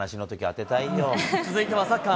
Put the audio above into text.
続いてはサッカー。